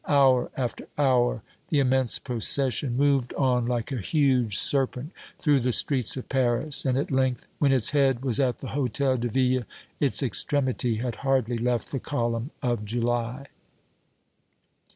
Hour after hour the immense procession moved on like a huge serpent through the streets of Paris; and, at length, when its head was at the Hôtel de Ville, its extremity had hardly left the Column of July.